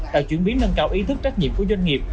tạo chuyển biến nâng cao ý thức trách nhiệm của doanh nghiệp